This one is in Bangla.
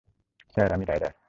স্যার, আমি রাইডার।